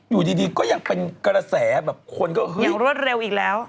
อยู่ดีก็ยังเป็นกระแสแบบคนก็คืออย่างรวดเร็วอีกแล้ว